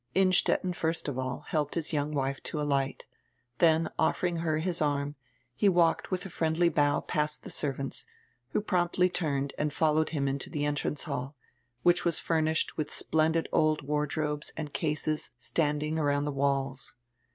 Innstetten first of all helped his young wife to alight. Then, offering her his arm, he walked widi a friendly bow past die servants, who promptiy turned and followed him into the entrance hall, which was furnished widi splendid old wardrobes and cases standing around die walls.